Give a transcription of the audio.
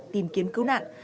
tìm kiếm cứu nạn